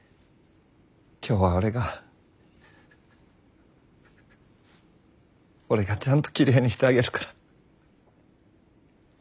今日は俺が俺がちゃんときれいにしてあげるから。